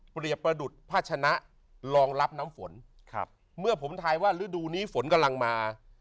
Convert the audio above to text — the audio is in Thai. ประดุษภาชนะรองรับน้ำฝนครับเมื่อผมทายว่าฤดูนี้ฝนกำลังมา